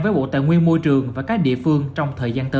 với bộ tài nguyên môi trường và các địa phương